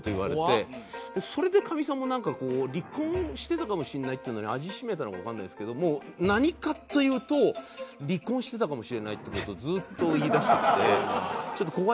それでカミさんもなんかこう離婚してたかもしれないっていうのに味を占めたのかわかんないですけどもう何かというと離婚してたかもしれないって事をずっと言い出してきてちょっと怖いんですよ。